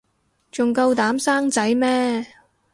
仲夠膽生仔咩